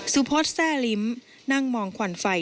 สุพธแซ่ริมนั่งมองขวัญฝน